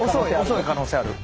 遅い可能性ある。